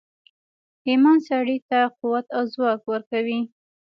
ایمان سړي ته قوت او ځواک ورکوي